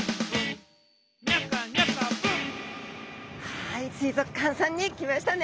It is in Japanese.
はい水族館さんに来ましたね。